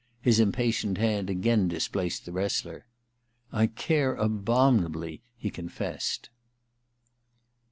...' His impatient hand again displaced the wrestler. *I care abomin ably,' he confessed.